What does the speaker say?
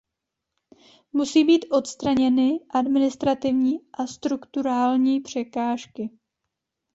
Musí být odstraněny administrativní a strukturální překážky.